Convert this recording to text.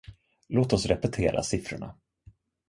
Låt oss repetera siffrorna.